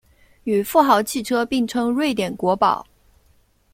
与富豪汽车并称瑞典国宝。